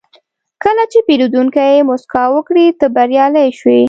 کله چې پیرودونکی موسکا وکړي، ته بریالی شوې.